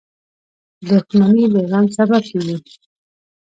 • دښمني د غم سبب کېږي.